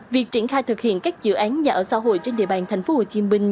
việc triển khai thực hiện các dự án nhà ở xã hội trên địa bàn thành phố hồ chí minh